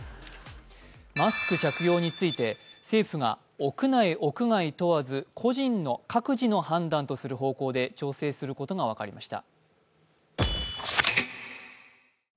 マスク着用について政府が屋内・屋外問わず個人の各自の判断とすることで調整していることが分かりました。